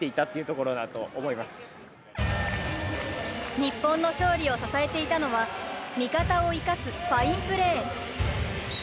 日本の勝利を支えていたのは味方を生かすファインプレー。